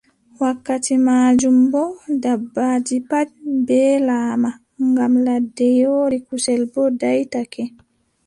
Wakkati maajum boo, dabbaaji pat mbeelaama ngam ladde yoori, kusel boo daaytake.